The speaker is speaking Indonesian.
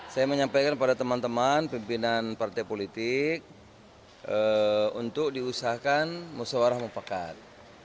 saya menyampaikan kepada teman teman pimpinan partai politik untuk diusahakan musyawarah mufakat